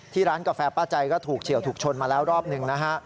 ร้านกาแฟป้าใจก็ถูกเฉียวถูกชนมาแล้วรอบหนึ่งนะฮะ